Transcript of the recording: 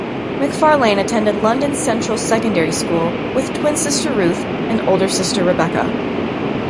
Macfarlane attended London Central Secondary School with twin sister Ruth and older sister Rebecca.